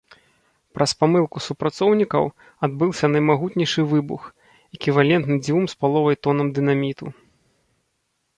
Праз памылку супрацоўнікаў адбыўся наймагутнейшы выбух, эквівалентны дзвюм з паловай тонам дынаміту.